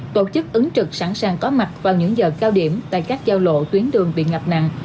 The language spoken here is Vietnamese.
tổ chức ứng trực sẵn sàng có mặt vào những giờ cao điểm tại các giao lộ tuyến đường bị ngập nặng